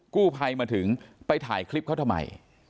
กู้ภัยมาถึงไปถ่ายคลิปเขาทำไม